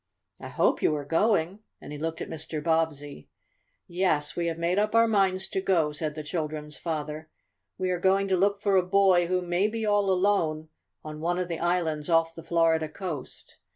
I hope you are going?" and he looked at Mr. Bobbsey. "Yes, we have made up our minds to go," said the children's father. "We are going to look for a boy who may be all alone on one of the islands off the Florida coast.